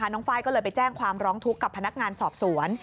ไฟล์ก็เลยไปแจ้งความร้องทุกข์กับพนักงานสอบสวน